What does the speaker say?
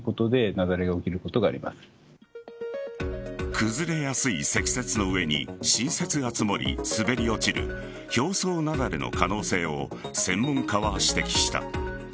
崩れやすい積雪の上に新雪が積もり滑り落ちる表層雪崩の可能性を専門家は指摘した。